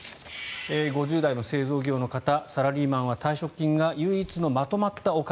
５０代の製造業の方サラリーマンは退職金が唯一のまとまったお金。